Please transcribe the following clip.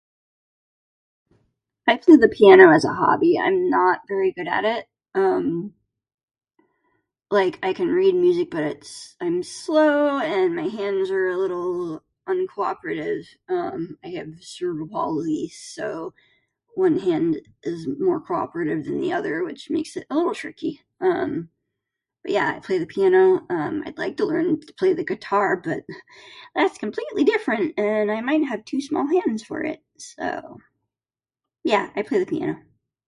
I play the piano as a hobby. I'm not very good at it. Um, like, I can read music, but it's... I'm slow and my hands are a little uncooperative. Um, I have cerebral palsy so one hand is more cooperative than the other, which makes it's a little tricky. Um, but, yeah, I play the piano. Um, I'd like to learn to play the guitar, but that's completely different, and I might have too-small hands for it. So... yeah, I play the piano.